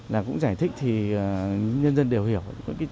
là cũng giải thích thì nhân dân đều hiểu